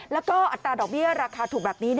แล้วก็อัตราดอกเบี้ยราคาถูกแบบนี้